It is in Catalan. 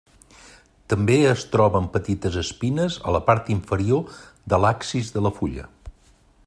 També es troben petites espines a la part inferior de l'axis de la fulla.